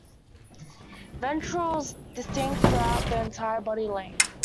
Ventrals distinct throughout the entire body length.